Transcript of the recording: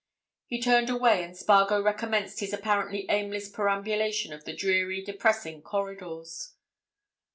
He turned away, and Spargo recommenced his apparently aimless perambulation of the dreary, depressing corridors.